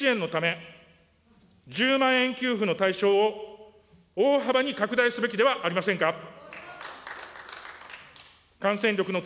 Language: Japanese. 緊急支援のため、１０万円給付の対象を大幅に拡大すべきではありませんか。